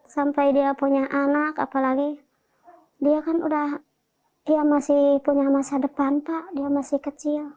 sampai dia punya anak apalagi dia kan udah dia masih punya masa depan pak dia masih kecil